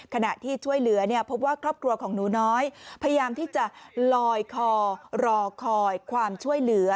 ขณะที่ช่วยเหลือเนี่ยพบว่าครอบครัวของหนูน้อยพยายามที่จะลอยคอรอคอยความช่วยเหลือ